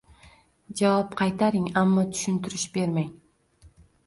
Javob qaytaring, ammo tushuntirish bermang